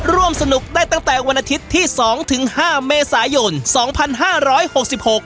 ร่วมสนุกได้ตั้งแต่วันอาทิตย์ที่สองถึงห้าเมษายนสองพันห้าร้อยหกสิบหก